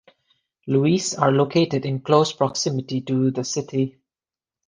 Louis are located in close proximity to the city.